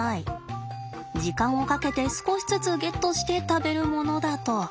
時間をかけて少しずつゲットして食べるものだと。